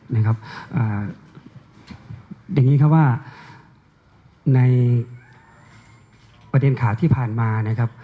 อย่างนี้ครับว่าในประเด็นข่าวที่ผ่านมานะครับ